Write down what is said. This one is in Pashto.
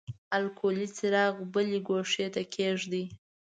الکولي څراغ بلې ګوښې ته کیږدئ.